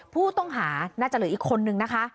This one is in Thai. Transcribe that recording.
ผู้ต้องหาน่าจะเหลืออีกคนนึงนะคะ